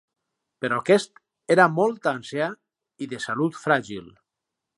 Però aquest era molt ancià i de salut fràgil.